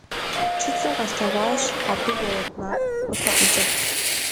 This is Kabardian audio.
Чыцэ къэслъэгъуащ, абы уэрэд макъ къыхэӀукӀырт.